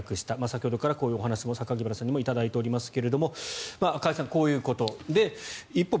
先ほどからこういう話も榊原さんにいただいておりますが加谷さん、こういうことで一方